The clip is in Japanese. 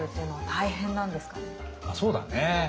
あそうだね。